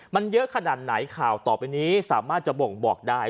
มันเยอะขนาดไหนข่าวต่อไปนี้สามารถจะบ่งบอกได้